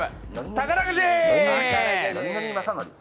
宝くじ。